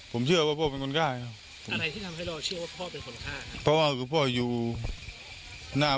ผมเชื่อว่าพ่อเป็นคนฆ่าอะไรที่ทำให้เราเชื่อว่าพ่อเป็นคนฆ่า